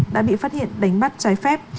đã bị phát hiện đánh bắt trái phép